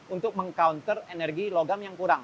untuk meng counter energi logam yang kurang